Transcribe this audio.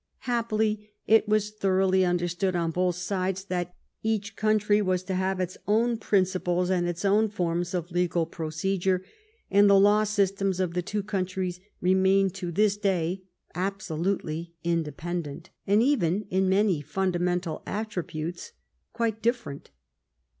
Hap pily, it was thoroughly understood on both sides that each country was to have its own principles and its own forms of legal procedure, and the law systems of the two countries remain to this day absolutely independent, and even in many fundamental attributes quite dif ferent.